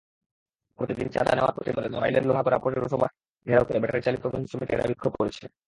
প্রতিদিন চাঁদা নেওয়ার প্রতিবাদে নড়াইলের লোহাগড়া পৌরসভা ঘেরাও করে ব্যাটারিচালিত ভ্যানশ্রমিকেরা বিক্ষোভ করেছে।